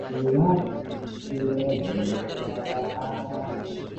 কিন্তু এটার মূল সুদূর রাশিয়া থেকে ভিয়েতনাম পর্যন্ত বিস্তৃত।